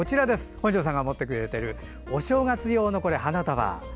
本庄さんが持ってくれているお正月用の花束。